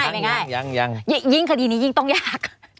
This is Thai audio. ไม่ใช่ยิ่งคดีนี้ยิ่งต้องยาก